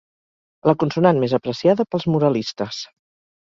La consonant més apreciada pels moralistes.